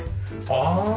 ああ！